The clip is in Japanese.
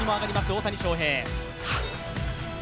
大谷翔平。